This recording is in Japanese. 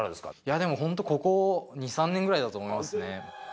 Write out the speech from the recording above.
でも、本当、ここ２、３年ぐらいだと思いますね。